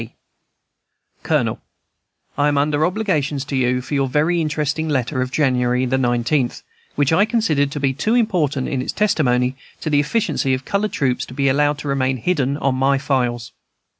S. C. COLONEL, I am under obligations to you for your very interesting letter of January 19th, which I considered to be too important in its testimony to the efficiency of colored troops to be allowed to remain hidden on my files.